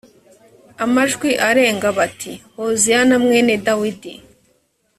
amajwi arenga bati “hoziyana mwene dawidi..”